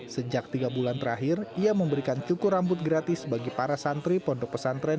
sejak tiga bulan terakhir ia memberikan cukur rambut gratis bagi para santri pondok pesantren